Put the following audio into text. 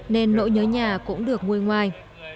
nên nỗi nhớ nhà cũng được nguyên ngoài